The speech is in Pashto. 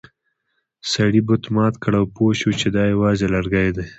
سړي بت مات کړ او پوه شو چې دا یوازې لرګی دی.